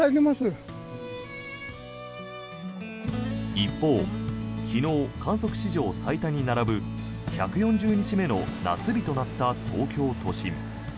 一方、昨日観測史上最多に並ぶ１４０日目の夏日となった東京都心。